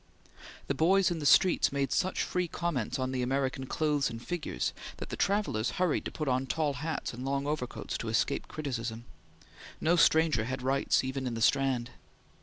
The boys in the streets made such free comments on the American clothes and figures, that the travellers hurried to put on tall hats and long overcoats to escape criticism. No stranger had rights even in the Strand.